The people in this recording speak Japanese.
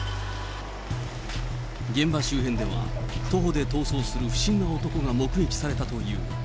現場周辺では、徒歩で逃走する不審な男が目撃されたという。